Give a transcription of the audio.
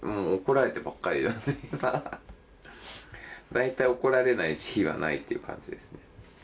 だいたい怒られない日はないっていう感じですね。